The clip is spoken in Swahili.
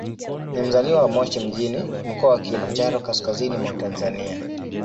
Ni mzaliwa wa Moshi mjini, Mkoa wa Kilimanjaro, kaskazini mwa Tanzania.